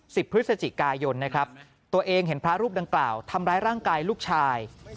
พฤศจิกายนนะครับตัวเองเห็นพระรูปดังกล่าวทำร้ายร่างกายลูกชาย